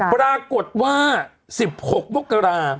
ปรากฏว่า๑๖มกรา